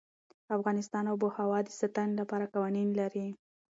افغانستان د آب وهوا د ساتنې لپاره قوانين لري.